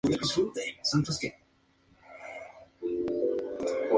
Aun así, las dificultades económicas aún se pueden sentir en Allegany y Garrett County.